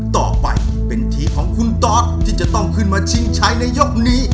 ต่อไปเป็นทีมของคุณตอสที่จะต้องขึ้นมาชิงชัยในยกนี้